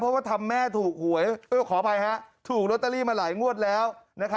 เพราะว่าทำแม่ถูกหวยขออภัยถูกลอตเตอรี่มาหลายงวดแล้ว